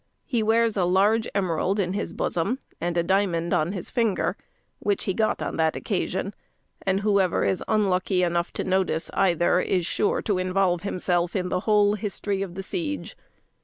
He wears a large emerald in his bosom, and a diamond on his finger, which he got on that occasion, and whoever is unlucky enough to notice either, is sure to involve himself in the whole history of the siege.